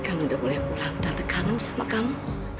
kamu udah boleh pulang tante kangen sama kamu